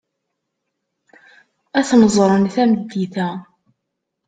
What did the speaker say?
Ad ten-ẓren tameddit-a.